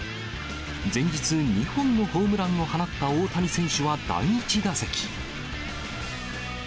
前日２本のホームランを放った大谷選手は第１打席。